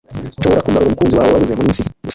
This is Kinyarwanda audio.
ashobora kugarura umukunzi wawe wabuze muminsi gusa